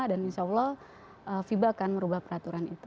dan insya allah fifa akan merubah peraturan itu